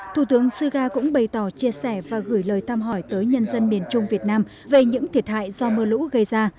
thủ tướng suga cũng bày tỏ chia sẻ và gửi lời thăm hỏi tới nhân dân miền trung việt nam về những thiệt hại do mưa lũ gây ra